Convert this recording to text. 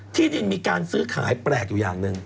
ที่ดินมีการซื้อขายแปลกอยู่อย่างหนึ่ง